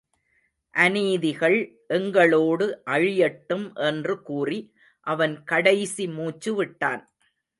அநீதிகள் எங்களோடு அழியட்டும் என்று கூறி அவன் கடைசி மூச்சு விட்டான்.